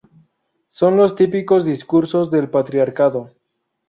Son los típicos discursos del patriarcado